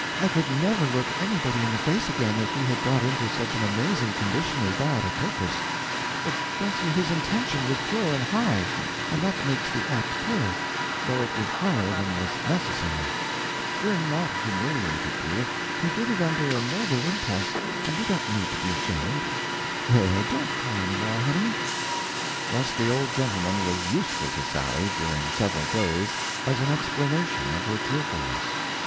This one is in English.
I could never look anybody in the face again if he had got into such an amazing condition as that a purpose; but bless you his intention was pure and high, and that makes the act pure, though it was higher than was necessary. We're not humiliated, dear, he did it under a noble impulse and we don't need to be ashamed. There, don't cry any more, honey." Thus, the old gentleman was useful to Sally, during several days, as an explanation of her tearfulness.